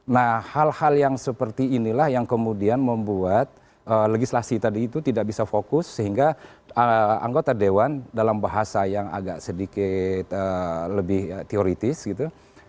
nah hal hal yang seperti inilah yang kemudian membuat legislasi tadi itu tidak bisa fokus sehingga anggota dewan dalam bahasa yang agak sedikit lebih teoritis gitu